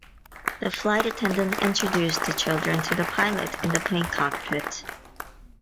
The flight attendant introduced the children to the pilot in the plane cockpit.